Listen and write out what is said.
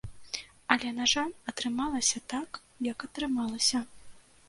Але, на жаль, атрымалася так, як атрымалася.